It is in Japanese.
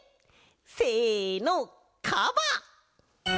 せのかば！